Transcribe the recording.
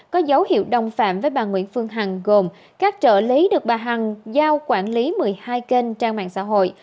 có dấu hiệu đồng phạm với bà nguyễn phương hằng gồm các trợ lý được bà hằng giao quản lý một mươi hai kênh trang mạng xã hội